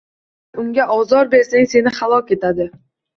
Agar unga ozor bersang, seni halok etadi.